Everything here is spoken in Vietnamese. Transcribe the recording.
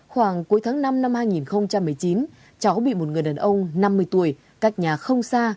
khoảng cuối tháng năm năm hai nghìn một mươi chín cháu bị một người đàn ông năm mươi tuổi cách nhà không xa